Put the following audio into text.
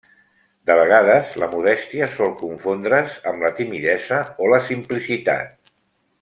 De vegades, la modèstia sol confondre's amb la timidesa o la simplicitat.